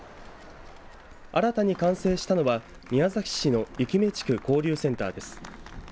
新たに完成したのは宮崎市の生目地区交流センターです。